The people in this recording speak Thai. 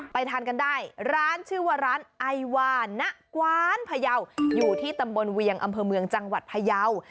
ทานกันได้ร้านชื่อว่าร้านไอวานะกวานพยาวอยู่ที่ตำบลเวียงอำเภอเมืองจังหวัดพยาว